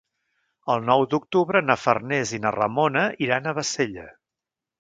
El nou d'octubre na Farners i na Ramona iran a Bassella.